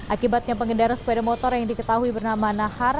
akibatnya pengendara sepeda motor yang diketahui bernama nahar